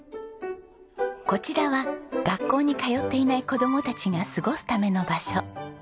こちらは学校に通っていない子どもたちが過ごすための場所。